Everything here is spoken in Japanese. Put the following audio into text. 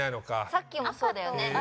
さっきもそうだよね。